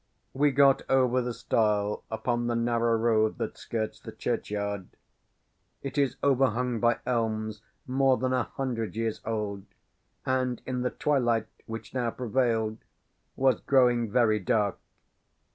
We got over the stile upon the narrow road that skirts the churchyard. It is overhung by elms more than a hundred years old, and in the twilight, which now prevailed, was growing very dark.